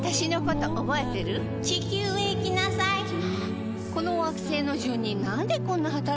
この惑星の住人なんでこんな働くの？